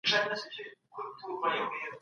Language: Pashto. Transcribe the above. د بودیجې مسوده څوک جرګې ته راوړي؟